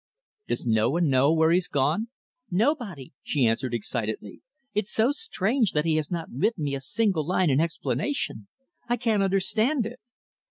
"Does no one know where he's gone?" "Nobody," she answered excitedly. "It's so strange that he has not written me a single line in explanation. I can't understand it."